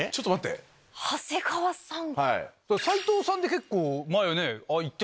長谷川さん。